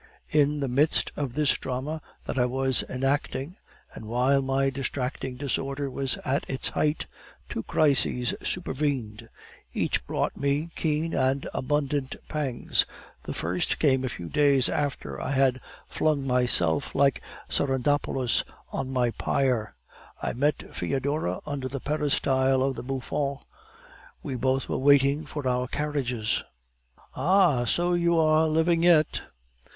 "In the midst of this drama that I was enacting, and while my distracting disorder was at its height, two crises supervened; each brought me keen and abundant pangs. The first came a few days after I had flung myself, like Sardanapalus, on my pyre. I met Foedora under the peristyle of the Bouffons. We both were waiting for our carriages. "'Ah! so you are living yet?